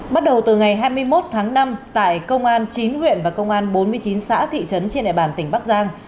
bắt đầu từ ngày hai mươi một tháng năm tại công an chính huyện và công an bốn mươi chín xã thị trấn trên đại bản tỉnh bắc giang